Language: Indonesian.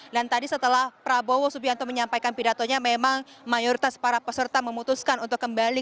dan tadi setelah prabowo subianto menyampaikan pidatonya memang mayoritas para peserta memutuskan untuk kembali